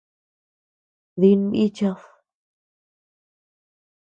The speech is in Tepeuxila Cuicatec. Din bíchad.